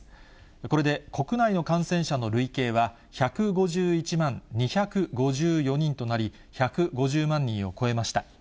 これで国内の感染者の累計は１５１万２５４人となり、１５０万人を超えました。